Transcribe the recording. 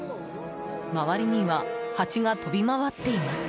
周りにはハチが飛び回っています。